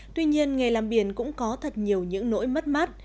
tuy nhiên nghề làm biển cũng có thật nhiều những nỗi mất mát